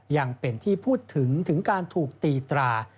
ยังเป็นที่พูดถึงถึงการถูกตีตรา